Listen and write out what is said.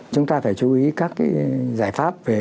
chúng ta phải chú ý các cái giải pháp